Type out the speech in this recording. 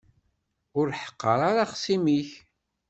Ur ḥeqqeṛ ara axṣim-ik.